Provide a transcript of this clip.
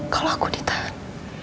kalau aku ditahan